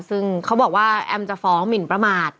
ซึ่งเขาบอกว่าแอมจะฟ้องหมินประมาท